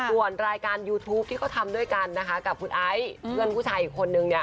ส่วนรายการยูทูปที่เขาทำด้วยกันนะคะกับคุณไอซ์เพื่อนผู้ชายอีกคนนึงเนี่ย